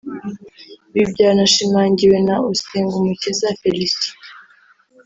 Ibi byanashimangiwe na Usengumukiza Félicien